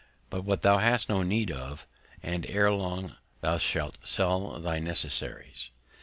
_ Buy what thou hast no Need of, and ere long thou shalt sell thy Necessaries.